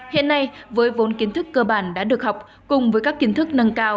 hiện nay với vốn kiến thức cơ bản đã được học cùng với các kiến thức nâng cao